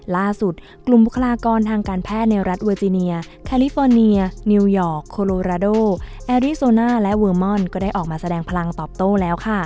ล่าสุดกลุ่มบุคลากรทางการแพทย์ในรัฐเวอร์ติเนียแคลิฟอร์เนียนิวยอร์กโคโลราโดแอริโซน่าและเวอร์มอนก็ได้ออกมาแสดงพลังตอบโต้แล้วค่ะ